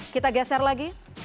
kita geser lagi